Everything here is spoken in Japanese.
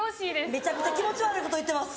めちゃくちゃ気持ち悪いこと言ってます